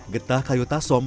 getah kayu tasom